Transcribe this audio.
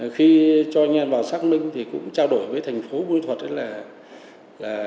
khi cho anh em vào xác minh thì cũng trao đổi với thành phố bung thuật